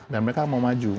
dan mereka mau maju